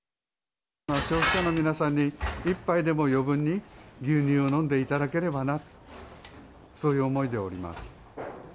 消費者の皆さんに１杯でも余分に牛乳を飲んでいただければな、そういう思いでおります。